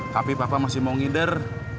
tapi papa masih mau ngider